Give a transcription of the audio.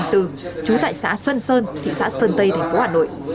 trú tại xã xuân sơn thị xã sơn tây thành phố hà nội